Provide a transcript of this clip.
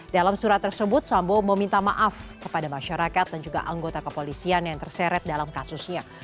dalam surat tersebut sambo meminta maaf kepada masyarakat dan juga anggota kepolisian yang terseret dalam kasusnya